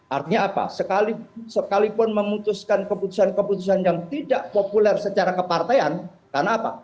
artinya apa sekalipun memutuskan keputusan keputusan yang tidak populer secara kepartean karena apa